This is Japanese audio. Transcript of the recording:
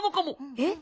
えっ？